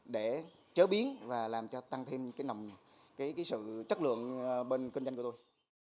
để chế biến và làm cho tăng thêm cái nồng cái sự chất lượng bên kinh doanh của tôi